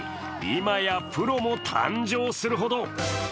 今やプロも誕生するほど。